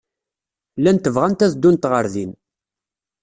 Llant bɣant ad ddunt ɣer din.